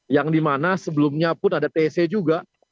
yang dimana sebelumnya pun ada tc juga